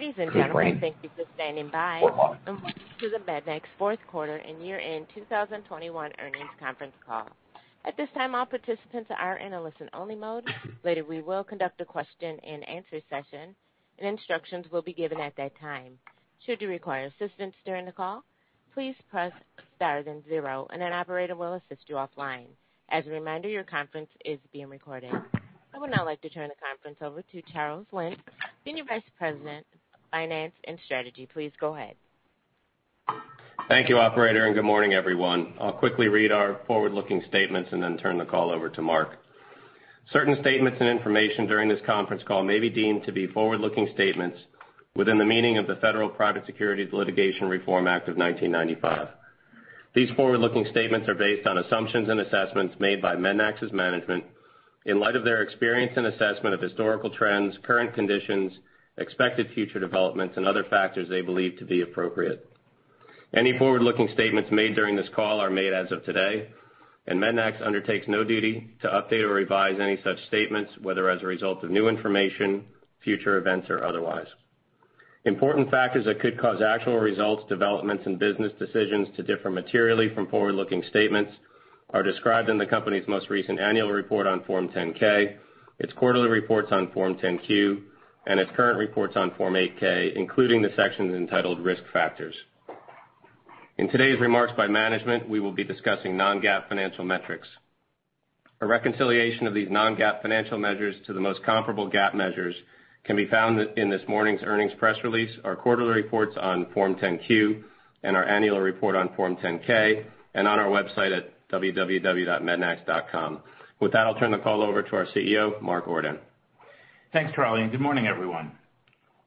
Ladies and gentlemen, thank you for standing by. Welcome to the MEDNAX fourth quarter and year-end 2021 earnings conference call. At this time, all participants are in a listen-only mode. Later, we will conduct a question and answer session, and instructions will be given at that time. Should you require assistance during the call, please press star then zero, and an operator will assist you offline. As a reminder, your conference is being recorded. I would now like to turn the conference over to Charles Lynch, Senior Vice President, Finance and Strategy. Please go ahead. Thank you, operator, and good morning, everyone. I'll quickly read our forward-looking statements and then turn the call over to Mark. Certain statements and information during this conference call may be deemed to be forward-looking statements within the meaning of the Federal Private Securities Litigation Reform Act of 1995. These forward-looking statements are based on assumptions and assessments made by MEDNAX's management in light of their experience and assessment of historical trends, current conditions, expected future developments, and other factors they believe to be appropriate. Any forward-looking statements made during this call are made as of today, and MEDNAX undertakes no duty to update or revise any such statements, whether as a result of new information, future events, or otherwise. Important factors that could cause actual results, developments, and business decisions to differ materially from forward-looking statements are described in the company's most recent annual report on Form 10-K, its quarterly reports on Form 10-Q, and its current reports on Form 8-K, including the sections entitled Risk Factors. In today's remarks by management, we will be discussing non-GAAP financial metrics. A reconciliation of these non-GAAP financial measures to the most comparable GAAP measures can be found in this morning's earnings press release, our quarterly reports on Form 10-Q, and our annual report on Form 10-K, and on our website at www.mednax.com. With that, I'll turn the call over to our CEO, Mark Ordan. Thanks, Charlie, and good morning, everyone.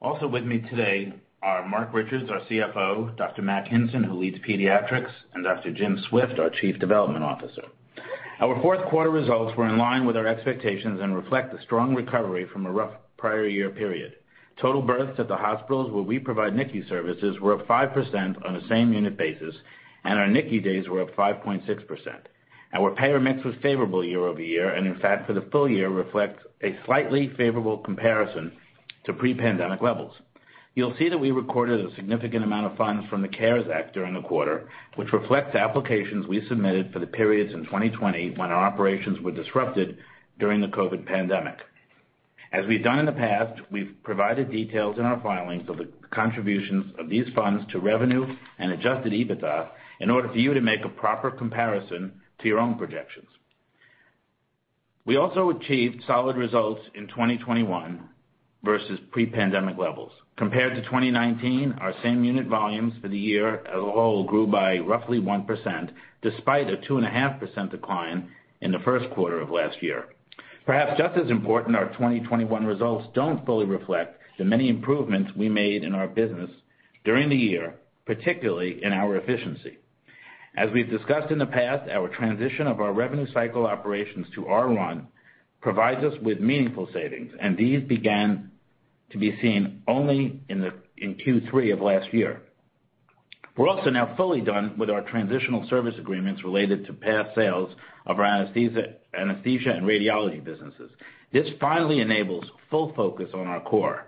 Also with me today are Marc Richards, our CFO, Dr. Matt Hinson, who leads pediatrics, and Dr. Jim Swift, our Chief Development Officer. Our fourth quarter results were in line with our expectations and reflect the strong recovery from a rough prior year period. Total births at the hospitals where we provide NICU services were up 5% on a same unit basis, and our NICU days were up 5.6%. Our payer mix was favorable year-over-year, and in fact, for the full year reflects a slightly favorable comparison to pre-pandemic levels. You'll see that we recorded a significant amount of funds from the CARES Act during the quarter, which reflects applications we submitted for the periods in 2020 when our operations were disrupted during the COVID pandemic. As we've done in the past, we've provided details in our filings of the contributions of these funds to revenue and adjusted EBITDA in order for you to make a proper comparison to your own projections. We also achieved solid results in 2021 versus pre-pandemic levels. Compared to 2019, our same unit volumes for the year as a whole grew by roughly 1% despite a 2.5% decline in the first quarter of last year. Perhaps just as important, our 2021 results don't fully reflect the many improvements we made in our business during the year, particularly in our efficiency. As we've discussed in the past, our transition of our revenue cycle operations to R1 provides us with meaningful savings, and these began to be seen only in Q3 of last year. We're also now fully done with our transitional service agreements related to past sales of our anesthesia and radiology businesses. This finally enables full focus on our core.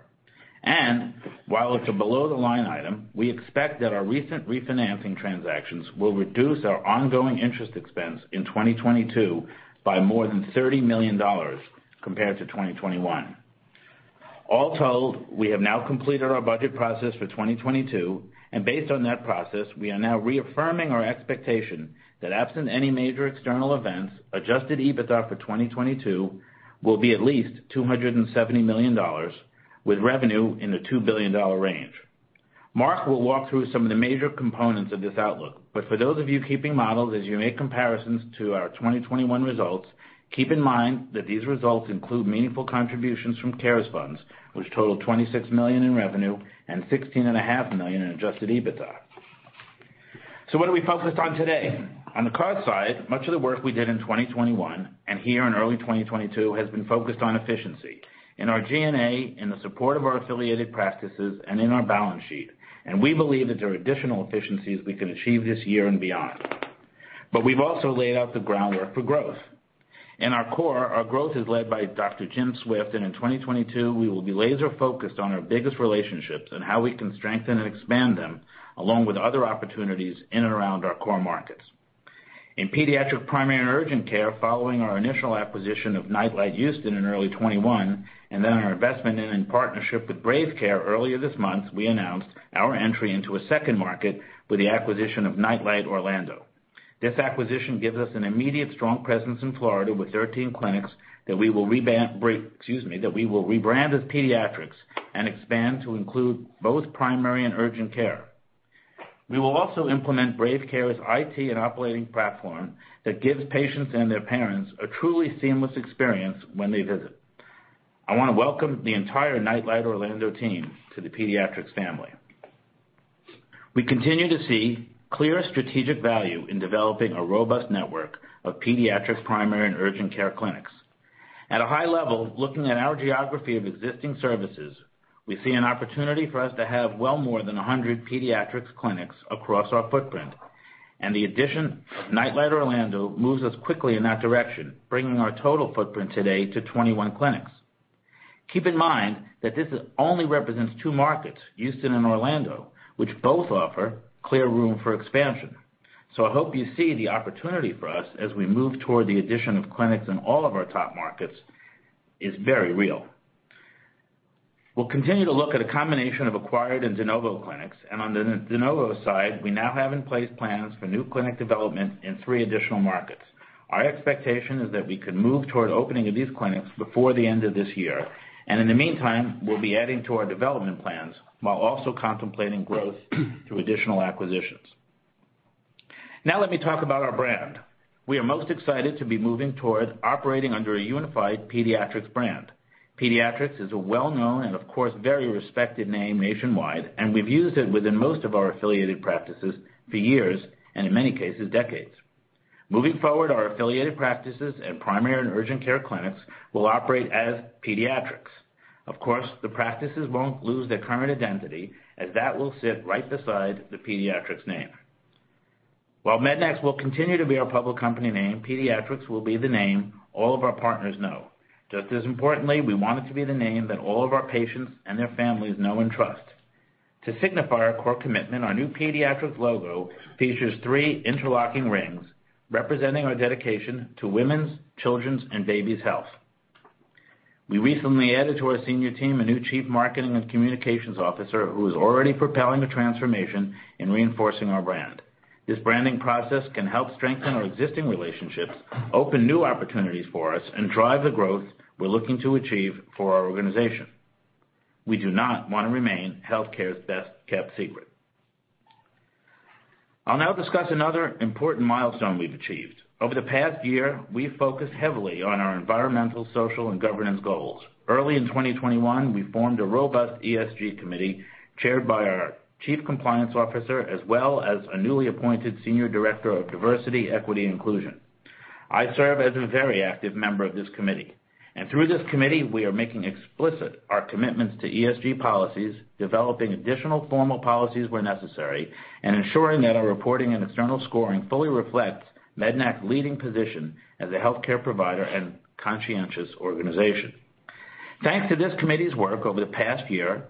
While it's a below-the-line item, we expect that our recent refinancing transactions will reduce our ongoing interest expense in 2022 by more than $30 million compared to 2021. All told, we have now completed our budget process for 2022, and based on that process, we are now reaffirming our expectation that absent any major external events, adjusted EBITDA for 2022 will be at least $270 million with revenue in the $2 billion range. Mark will walk through some of the major components of this outlook, but for those of you keeping models as you make comparisons to our 2021 results, keep in mind that these results include meaningful contributions from CARES Act funds, which totaled $26 million in revenue and $16.5 million in adjusted EBITDA. What are we focused on today? On the care side, much of the work we did in 2021 and here in early 2022 has been focused on efficiency in our G&A, in the support of our affiliated practices, and in our balance sheet, and we believe that there are additional efficiencies we can achieve this year and beyond. We've also laid out the groundwork for growth. In our core, our growth is led by Dr. Jim Swift. In 2022, we will be laser focused on our biggest relationships and how we can strengthen and expand them along with other opportunities in and around our core markets. In pediatric primary and urgent care, following our initial acquisition of NightLight Houston in early 2021 and then our investment in and partnership with Brave Care earlier this month, we announced our entry into a second market with the acquisition of NightLight Orlando. This acquisition gives us an immediate strong presence in Florida with 13 clinics that we will rebrand as Pediatrix and expand to include both primary and urgent care. We will also implement Brave Care's IT and operating platform that gives patients and their parents a truly seamless experience when they visit. I wanna welcome the entire NightLight Orlando team to the Pediatrix family. We continue to see clear strategic value in developing a robust network of pediatric primary and urgent care clinics. At a high level, looking at our geography of existing services, we see an opportunity for us to have well more than 100 pediatric clinics across our footprint, and the addition of NightLight Orlando moves us quickly in that direction, bringing our total footprint today to 21 clinics. Keep in mind that this only represents two markets, Houston and Orlando, which both offer clear room for expansion. I hope you see the opportunity for us as we move toward the addition of clinics in all of our top markets is very real. We'll continue to look at a combination of acquired and de novo clinics, and on the de novo side, we now have in place plans for new clinic development in three additional markets. Our expectation is that we can move toward opening of these clinics before the end of this year. In the meantime, we'll be adding to our development plans while also contemplating growth through additional acquisitions. Now let me talk about our brand. We are most excited to be moving toward operating under a unified Pediatrix brand. Pediatrix is a well-known and of course, very respected name nationwide, and we've used it within most of our affiliated practices for years, and in many cases, decades. Moving forward, our affiliated practices and primary and urgent care clinics will operate as Pediatrix. Of course, the practices won't lose their current identity as that will sit right beside the Pediatrix name. While MEDNAX will continue to be our public company name, Pediatrix will be the name all of our partners know. Just as importantly, we want it to be the name that all of our patients and their families know and trust. To signify our core commitment, our new Pediatrix logo features three interlocking rings representing our dedication to women's, children's, and babies' health. We recently added to our senior team, a new chief marketing and communications officer who is already propelling the transformation in reinforcing our brand. This branding process can help strengthen our existing relationships, open new opportunities for us, and drive the growth we're looking to achieve for our organization. We do not wanna remain healthcare's best-kept secret. I'll now discuss another important milestone we've achieved. Over the past year, we focused heavily on our environmental, social, and governance goals. Early in 2021, we formed a robust ESG committee chaired by our chief compliance officer, as well as a newly appointed senior director of diversity, equity, and inclusion. I serve as a very active member of this committee. Through this committee, we are making explicit our commitments to ESG policies, developing additional formal policies where necessary, and ensuring that our reporting and external scoring fully reflects MEDNAX leading position as a healthcare provider and conscientious organization. Thanks to this committee's work over the past year,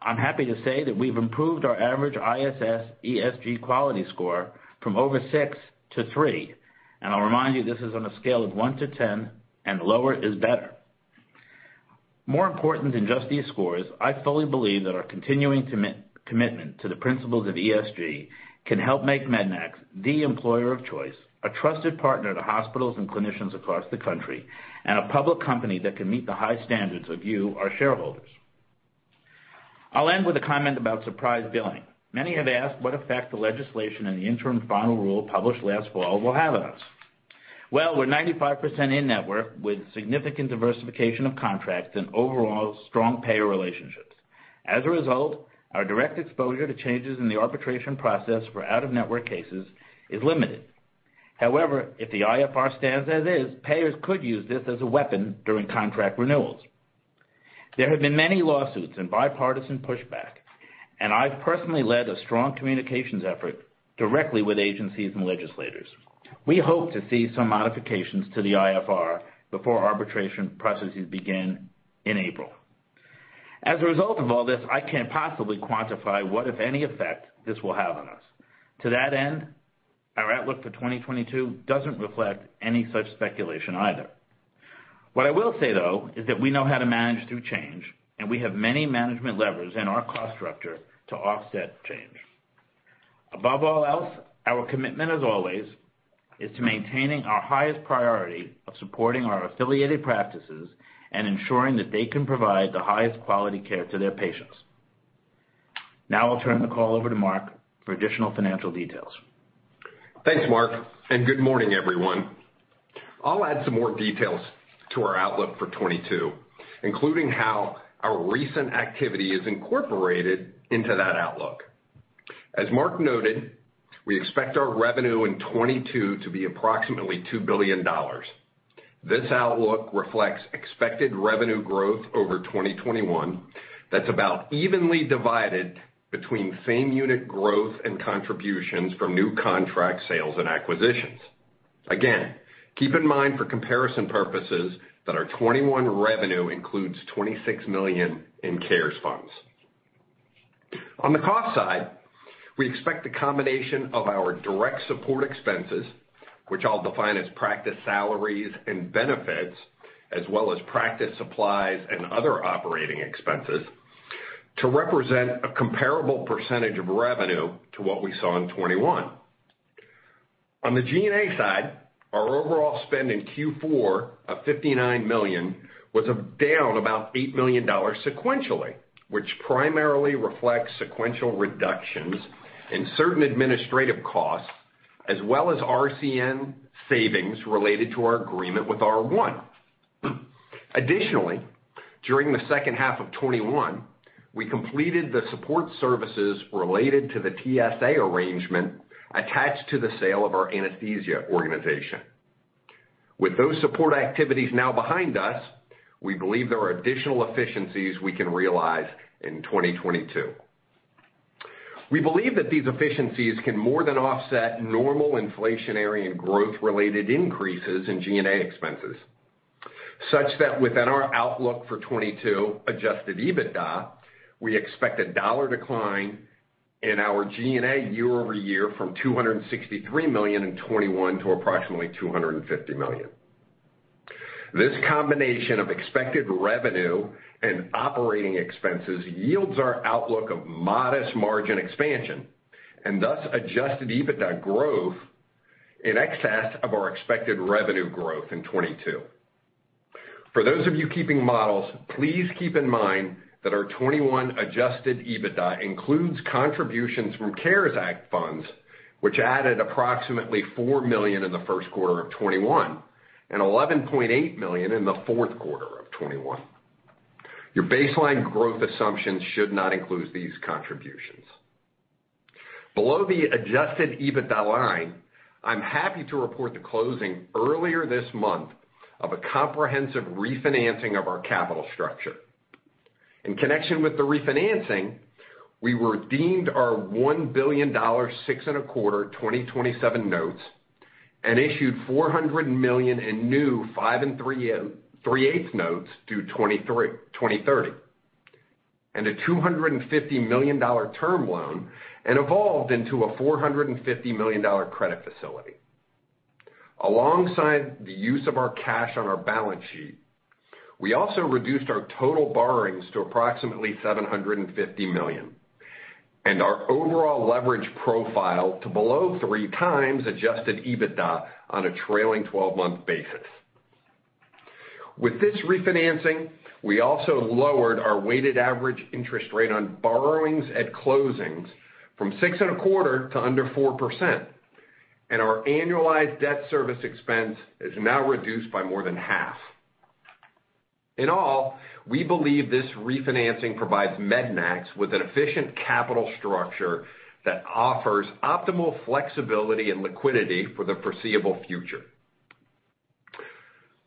I'm happy to say that we've improved our average ISS ESG quality score from over six to three, and I'll remind you, this is on a scale of one to 10, and lower is better. More important than just these scores, I fully believe that our continuing commitment to the principles of ESG can help make MEDNAX the employer of choice, a trusted partner to hospitals and clinicians across the country, and a public company that can meet the high standards of you, our shareholders. I'll end with a comment about surprise billing. Many have asked what effect the legislation and the interim final rule published last fall will have on us. Well, we're 95% in-network with significant diversification of contracts and overall strong payer relationships. As a result, our direct exposure to changes in the arbitration process for out-of-network cases is limited. However, if the IFR stands as is, payers could use this as a weapon during contract renewals. There have been many lawsuits and bipartisan pushback, and I've personally led a strong communications effort directly with agencies and legislators. We hope to see some modifications to the IFR before arbitration processes begin in April. As a result of all this, I can't possibly quantify what, if any effect this will have on us. To that end, our outlook for 2022 doesn't reflect any such speculation either. What I will say, though, is that we know how to manage through change, and we have many management levers in our cost structure to offset change. Above all else, our commitment, as always, is to maintaining our highest priority of supporting our affiliated practices and ensuring that they can provide the highest quality care to their patients. Now I'll turn the call over to Marc for additional financial details. Thanks, Mark, and good morning, everyone. I'll add some more details to our outlook for 2022, including how our recent activity is incorporated into that outlook. As Mark noted, we expect our revenue in 2022 to be approximately $2 billion. This outlook reflects expected revenue growth over 2021 that's about evenly divided between same unit growth and contributions from new contract sales and acquisitions. Again, keep in mind for comparison purposes that our 2021 revenue includes $26 million in CARES funds. On the cost side, we expect the combination of our direct support expenses, which I'll define as practice salaries and benefits, as well as practice supplies and other operating expenses, to represent a comparable percentage of revenue to what we saw in 2021. On the G&A side, our overall spend in Q4 of $59 million was down about $8 million sequentially, which primarily reflects sequential reductions in certain administrative costs, as well as RCM savings related to our agreement with R1. Additionally, during the second half of 2021, we completed the support services related to the TSA arrangement attached to the sale of our anesthesia organization. With those support activities now behind us, we believe there are additional efficiencies we can realize in 2022. We believe that these efficiencies can more than offset normal inflationary and growth related increases in G&A expenses, such that within our outlook for 2022 adjusted EBITDA, we expect a dollar decline in our G&A year-over-year from $263 million in 2021 to approximately $250 million. This combination of expected revenue and operating expenses yields our outlook of modest margin expansion and thus adjusted EBITDA growth in excess of our expected revenue growth in 2022. For those of you keeping models, please keep in mind that our 2021 adjusted EBITDA includes contributions from CARES Act funds, which added approximately $4 million in the first quarter of 2021 and $11.8 million in the fourth quarter of 2021. Your baseline growth assumptions should not include these contributions. Below the adjusted EBITDA line, I'm happy to report the closing earlier this month of a comprehensive refinancing of our capital structure. In connection with the refinancing, we redeemed our $1 billion 6.25 2027 notes and issued $400 million in new five and 3/8 notes due 2030, and a $250 million term loan, and revolved into a $450 million credit facility. Alongside the use of our cash on our balance sheet, we also reduced our total borrowings to approximately $750 million, and our overall leverage profile to below 3x adjusted EBITDA on a trailing twelve-month basis. With this refinancing, we also lowered our weighted average interest rate on borrowings at closing from 6.25% to under 4%, and our annualized debt service expense is now reduced by more than half. In all, we believe this refinancing provides MEDNAX with an efficient capital structure that offers optimal flexibility and liquidity for the foreseeable future.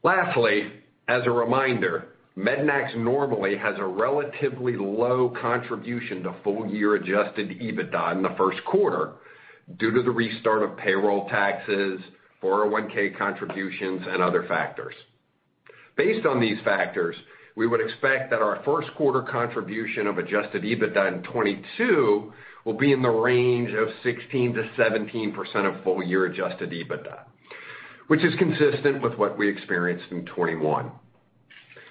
Lastly, as a reminder, MEDNAX normally has a relatively low contribution to full year adjusted EBITDA in the first quarter due to the restart of payroll taxes, 401(k) contributions, and other factors. Based on these factors, we would expect that our first quarter contribution of adjusted EBITDA in 2022 will be in the range of 16%-17% of full year adjusted EBITDA, which is consistent with what we experienced in 2021.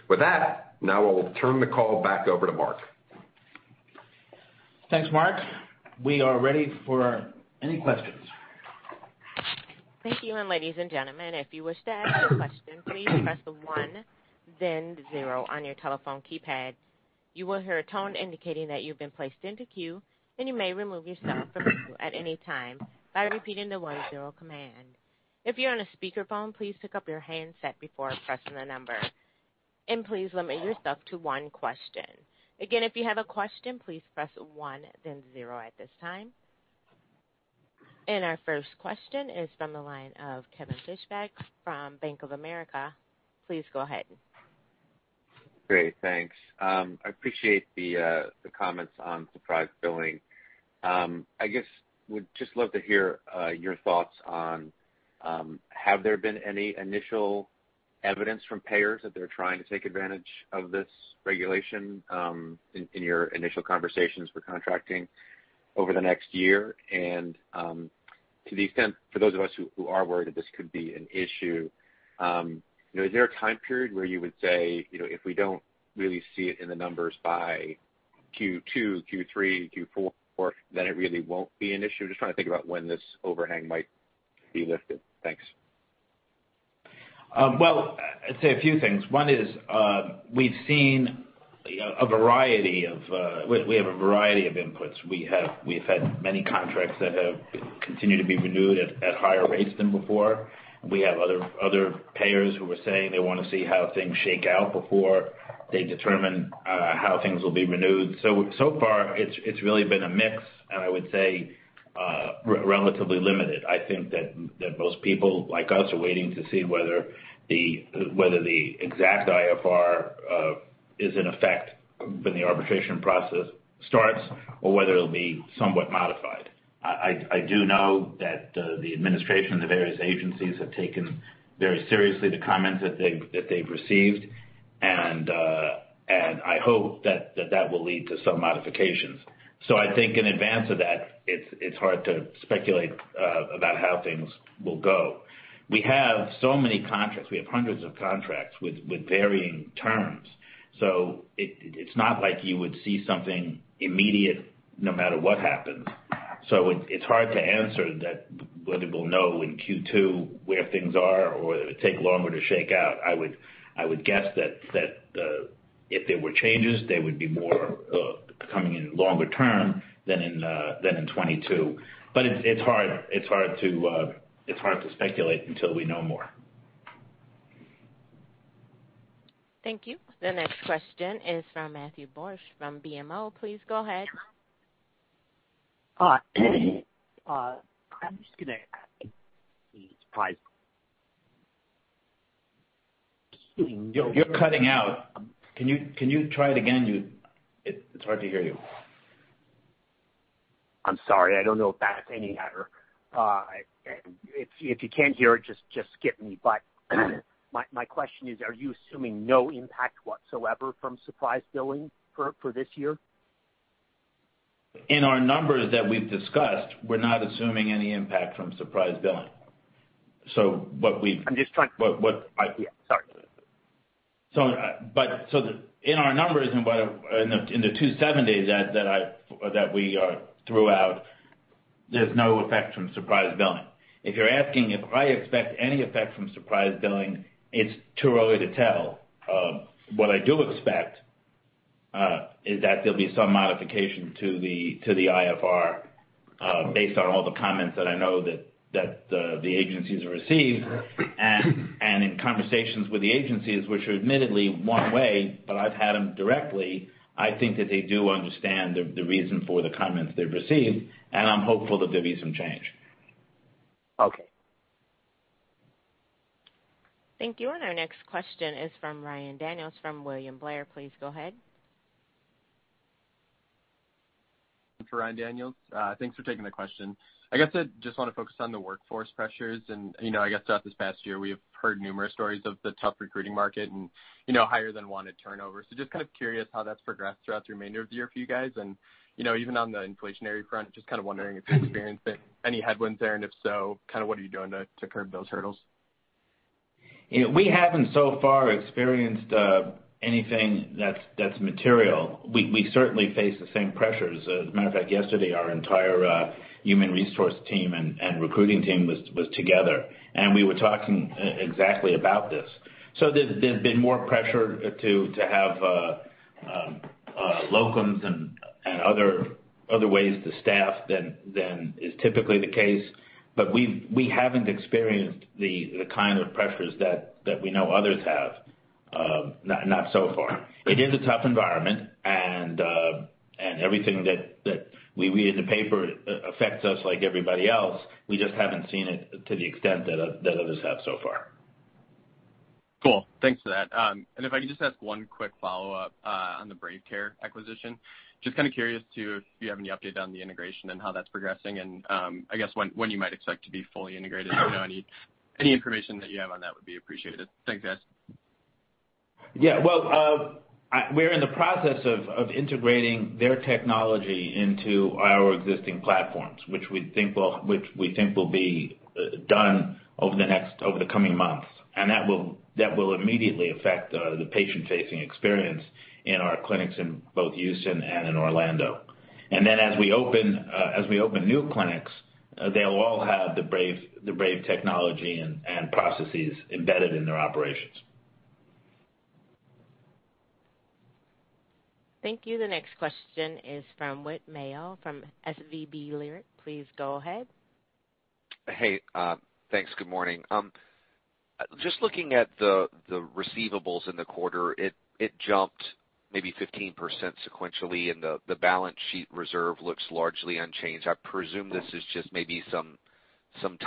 With that, now I will turn the call back over to Mark. Thanks, Marc. We are ready for any questions. Thank you. Ladies and gentlemen, if you wish to ask a question, please press one then zero on your telephone keypad. You will hear a tone indicating that you've been placed into queue, and you may remove yourself from the queue at any time by repeating the one zero command. If you're on a speakerphone, please pick up your handset before pressing the number. Please limit yourself to one question. Again, if you have a question, please press one then zero at this time. Our first question is from the line of Kevin Fischbeck from Bank of America. Please go ahead. Great. Thanks. I appreciate the comments on surprise billing. I guess would just love to hear your thoughts on, have there been any initial evidence from payers that they're trying to take advantage of this regulation, in your initial conversations for contracting over the next year? To the extent for those of us who are worried that this could be an issue, you know, is there a time period where you would say, you know, if we don't really see it in the numbers by Q2, Q3, Q4, then it really won't be an issue? Just trying to think about when this overhang might be lifted. Thanks. Well, I'd say a few things. One is, we've seen a variety of inputs. We've had many contracts that have continued to be renewed at higher rates than before. We have other payers who are saying they wanna see how things shake out before they determine how things will be renewed. So far, it's really been a mix, and I would say relatively limited. I think that most people like us are waiting to see whether the exact IFR is in effect when the arbitration process starts or whether it'll be somewhat modified. I do know that the administration, the various agencies have taken very seriously the comments that they've received, and I hope that will lead to some modifications. I think in advance of that, it's hard to speculate about how things will go. We have so many contracts. We have hundreds of contracts with varying terms, it's not like you would see something immediate no matter what happens. It's hard to answer that, whether we'll know in Q2 where things are or it would take longer to shake out. I would guess that if there were changes, they would be more coming in longer term than in 2022. It's hard to speculate until we know more. Thank you. The next question is from Matthew Borsch from BMO Capital Markets. Please go ahead. Hi. I'm just gonna add to the surprise. You're cutting out. Can you try it again? It's hard to hear you. I'm sorry. I don't know if that's any better. If you can't hear, just skip me. My question is, are you assuming no impact whatsoever from surprise billing for this year? In our numbers that we've discussed, we're not assuming any impact from surprise billing. What we've- I'm just trying- What, what- Yeah, sorry. In our numbers in the 27 days that we've been through, there's no effect from surprise billing. If you're asking if I expect any effect from surprise billing, it's too early to tell. What I do expect is that there'll be some modification to the IFR based on all the comments that I know that the agencies receive. In conversations with the agencies, which are admittedly one way, but I've had them directly, I think that they do understand the reason for the comments they've received, and I'm hopeful that there'll be some change. Okay. Thank you. Our next question is from Ryan Daniels from William Blair. Please go ahead. Ryan Daniels. Thanks for taking the question. I guess I just wanna focus on the workforce pressures. You know, I guess, throughout this past year, we have heard numerous stories of the tough recruiting market and, you know, higher than wanted turnover. Just kind of curious how that's progressed throughout the remainder of the year for you guys. You know, even on the inflationary front, just kind of wondering if you're experiencing any headwinds there, and if so, kind of what are you doing to curb those hurdles? You know, we haven't so far experienced anything that's material. We certainly face the same pressures. As a matter of fact, yesterday, our entire human resource team and recruiting team was together, and we were talking exactly about this. There's been more pressure to have locums and other ways to staff than is typically the case. We haven't experienced the kind of pressures that we know others have, not so far. It is a tough environment, and everything that we read in the paper affects us like everybody else. We just haven't seen it to the extent that others have so far. Cool. Thanks for that. If I could just ask one quick follow-up on the Brave Care acquisition. Just kinda curious if you have any update on the integration and how that's progressing and, I guess when you might expect to be fully integrated. You know, any information that you have on that would be appreciated. Thanks, guys. Yeah. Well, we're in the process of integrating their technology into our existing platforms, which we think will be done over the coming months, and that will immediately affect the patient-facing experience in our clinics in both Houston and in Orlando. As we open new clinics, they'll all have the Brave technology and processes embedded in their operations. Thank you. The next question is from Whit Mayo from Leerink Partners. Please go ahead. Hey, thanks. Good morning. Just looking at the receivables in the quarter, it jumped maybe 15% sequentially, and the balance sheet reserve looks largely unchanged. I presume this is just maybe some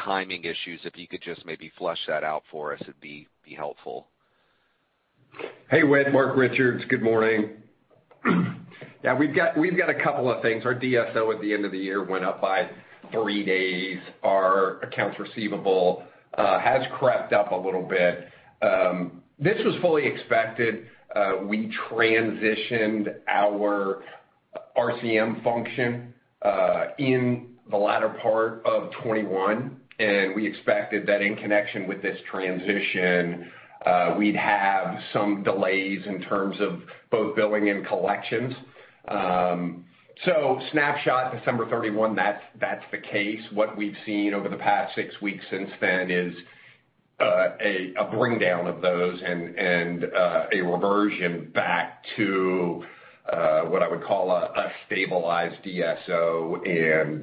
timing issues. If you could just maybe flesh that out for us, it'd be helpful. Hey, Whit. Marc Richards. Good morning. Yeah, we've got a couple of things. Our DSO at the end of the year went up by three days. Our accounts receivable has crept up a little bit. This was fully expected. We transitioned our RCM function in the latter part of 2021, and we expected that in connection with this transition, we'd have some delays in terms of both billing and collections. So snapshot December 31, that's the case. What we've seen over the past six weeks since then is a bring down of those and a reversion back to what I would call a stabilized DSO and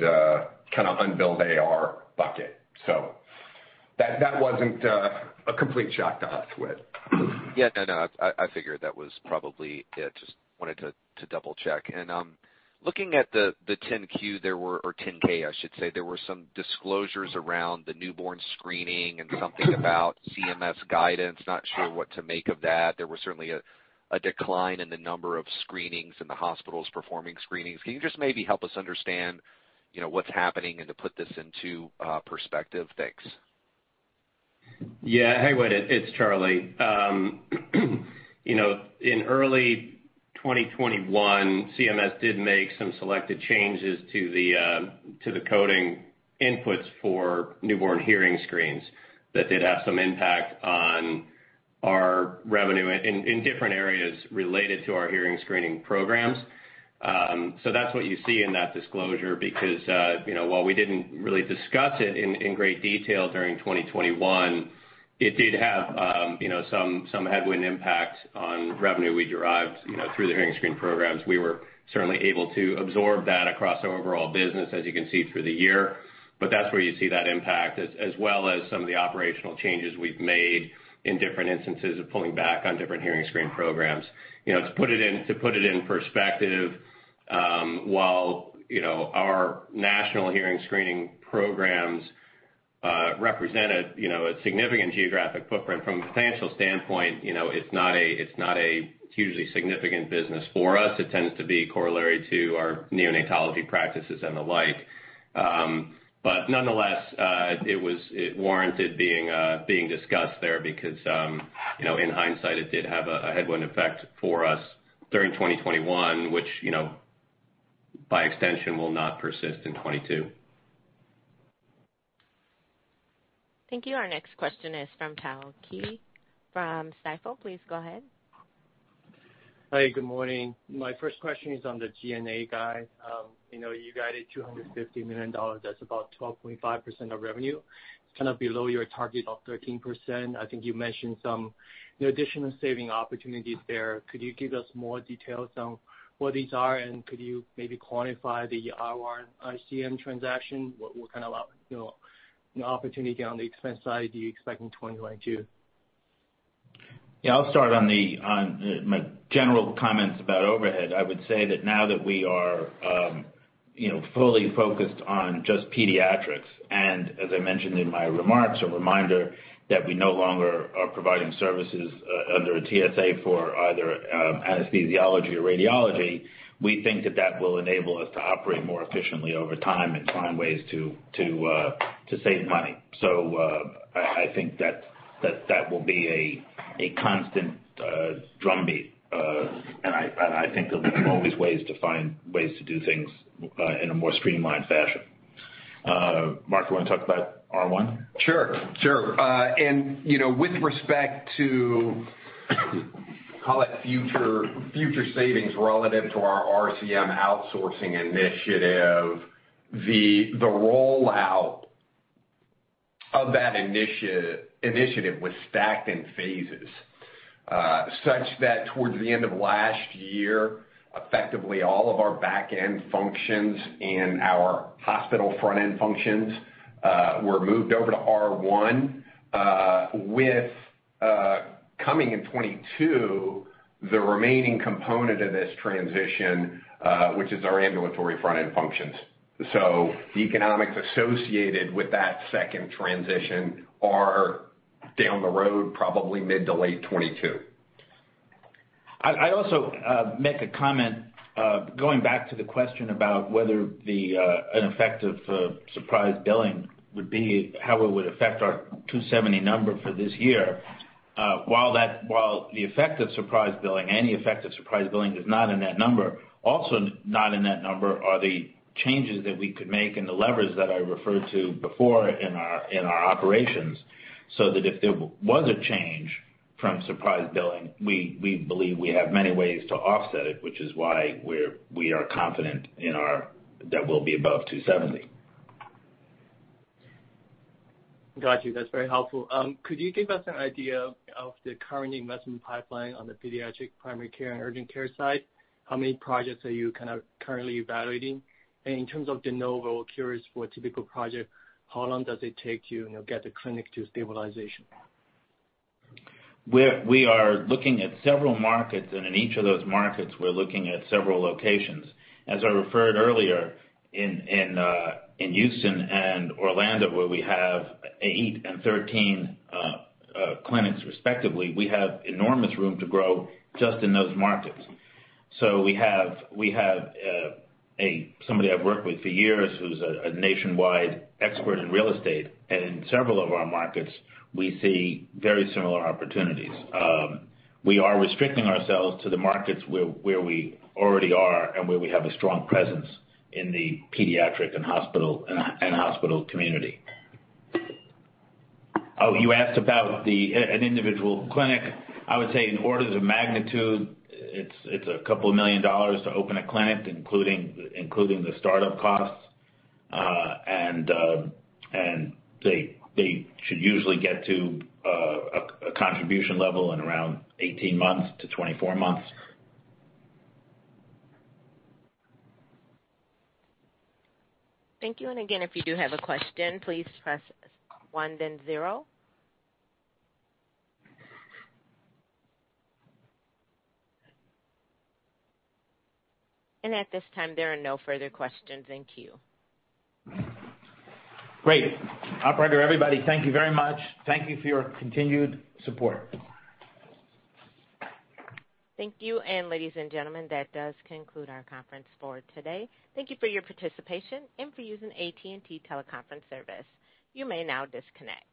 kinda unbilled AR bucket. So that wasn't a complete shock to us, Whit. Yeah. No, no. I figured that was probably it. Just wanted to double-check. Looking at the 10-Q or 10-K, I should say, there were some disclosures around the newborn screening and something about CMS guidance. Not sure what to make of that. There was certainly a decline in the number of screenings in the hospitals performing screenings. Can you just maybe help us understand, you know, what's happening and to put this into perspective? Thanks. Yeah. Hey, Whit, it's Charlie. You know, in early 2021, CMS did make some selected changes to the coding inputs for newborn hearing screens that did have some impact on our revenue in different areas related to our hearing screening programs. So that's what you see in that disclosure because you know, while we didn't really discuss it in great detail during 2021, it did have you know, some headwind impact on revenue we derived you know, through the hearing screen programs. We were certainly able to absorb that across our overall business, as you can see, through the year. That's where you see that impact as well as some of the operational changes we've made in different instances of pulling back on different hearing screen programs. You know, to put it in perspective, while you know, our national hearing screening programs represent a significant geographic footprint. From a financial standpoint, you know, it's not a hugely significant business for us. It tends to be corollary to our neonatology practices and the like. Nonetheless, it warranted being discussed there because you know, in hindsight, it did have a headwind effect for us during 2021, which you know, by extension, will not persist in 2022. Thank you. Our next question is from Tao Qiu from Stifel. Please go ahead. Hi, good morning. My first question is on the G&A guide. You know, you guided $250 million. That's about 12.5% of revenue. It's kind of below your target of 13%. I think you mentioned some additional saving opportunities there. Could you give us more details on what these are? Could you maybe quantify the R1 RCM transaction? What kind of opportunity on the expense side are you expecting in 2022? Yeah, I'll start on my general comments about overhead. I would say that now that we are, you know, fully focused on just pediatrics, and as I mentioned in my remarks, a reminder that we no longer are providing services under a TSA for either anesthesiology or radiology, we think that that will enable us to operate more efficiently over time and find ways to save money. I think that that will be a constant drumbeat. I think there'll be always ways to find ways to do things in a more streamlined fashion. Marc, you wanna talk about R1? Sure, sure. You know, with respect to, call it, future savings relative to our RCM outsourcing initiative, the rollout of that initiative was stacked in phases such that towards the end of last year, effectively all of our back-end functions and our hospital front-end functions were moved over to R1, with coming in 2022, the remaining component of this transition, which is our ambulatory front-end functions. The economics associated with that second transition are down the road, probably mid to late 2022. I also make a comment going back to the question about whether an effect of surprise billing would be how it would affect our 270 number for this year. While the effect of surprise billing, any effect of surprise billing is not in that number, also not in that number are the changes that we could make and the levers that I referred to before in our operations, so that if there was a change from surprise billing, we believe we have many ways to offset it, which is why we are confident that we'll be above 270. Got you. That's very helpful. Could you give us an idea of the current investment pipeline on the pediatric primary care and urgent care side? How many projects are you kind of currently evaluating? In terms of de novo, curious for a typical project, how long does it take you to, you know, get the clinic to stabilization? We are looking at several markets, and in each of those markets, we're looking at several locations. As I referred earlier, in Houston and Orlando, where we have eight and 13 clinics respectively, we have enormous room to grow just in those markets. We have somebody I've worked with for years who's a nationwide expert in real estate. In several of our markets, we see very similar opportunities. We are restricting ourselves to the markets where we already are and where we have a strong presence in the pediatric and hospital community. Oh, you asked about an individual clinic. I would say in orders of magnitude, it's a couple million dollars to open a clinic, including the startup costs. They should usually get to a contribution level in around 18-24 months. Thank you. Again, if you do have a question, please press one then zero. At this time, there are no further questions in queue. Great. Operator, everybody, thank you very much. Thank you for your continued support. Thank you. Ladies and gentlemen, that does conclude our conference for today. Thank you for your participation and for using AT&T Teleconference Service. You may now disconnect.